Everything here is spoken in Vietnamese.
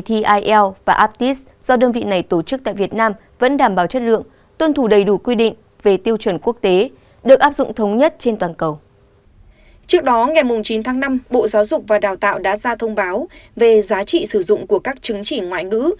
trước đó ngày chín tháng năm bộ giáo dục và đào tạo đã ra thông báo về giá trị sử dụng của các chứng chỉ ngoại ngữ